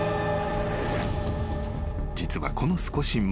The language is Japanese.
［実はこの少し前に］